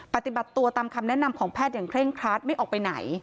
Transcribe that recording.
ปฏิบัติตัวตามคำแนะนำของแพทย์อย่างเร่งครัดไม่ออกไปไหน